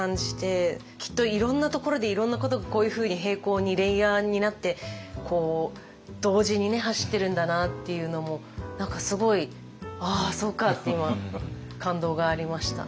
きっといろんなところでいろんなことがこういうふうに並行にレイヤーになって同時に走ってるんだなっていうのも何かすごいああそうかって今感動がありました。